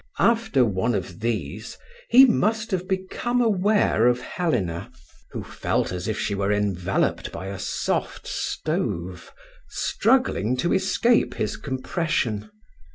After one of these he must have become aware of Helena—who felt as if she were enveloped by a soft stove—struggling to escape his compression.